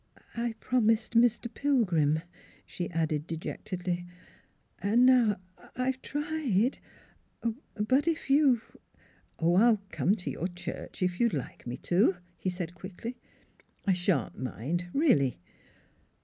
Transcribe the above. " I promised Mr. Pilgrim," she added deject edly; " and now I've tried; but if you "" Oh, I'll come to your church, if you'd like me to," he said quickly. " I shan't mind, really."